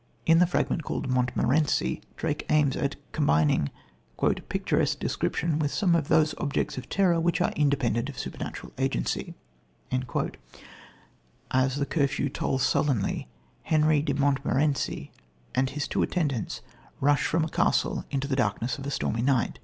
In the fragment called Montmorenci, Drake aims at combining "picturesque description with some of those objects of terror which are independent of supernatural agency." As the curfew tolls sullenly, Henry de Montmorenci and his two attendants rush from a castle into the darkness of a stormy night.